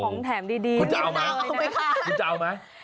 ของแถมดีคุณจะเอาไหม